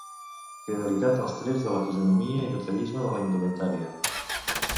Fidelitat als trets de la fisonomia i detallisme de la indumentària.